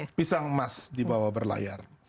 pisang emas di bawah berlayar